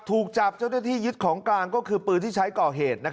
พูกจับจุดที่ยึดของกาลก็คือปืนที่ใช้ก่อเหตุ